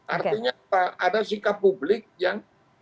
artinya apa ada sikap publik yang